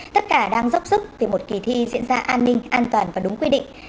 tất cả đang dốc sức vì một kỳ thi diễn ra an ninh an toàn và đúng quy định